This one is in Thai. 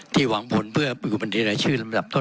ที่หวังผลเพื่อบริกุปัญญาชื่อลำดับต้น